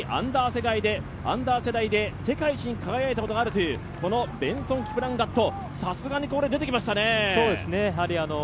アンダー世代で世界一に輝いたことがあるというベンソン・キプランガット、さすがに出てきましたね。